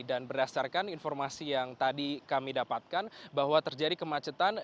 dan berdasarkan informasi yang tadi kami dapatkan bahwa terjadi kemacetan